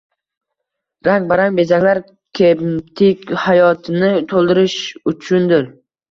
Rang-barang bezaklar kemtik hayotini toʻldirish uchundir.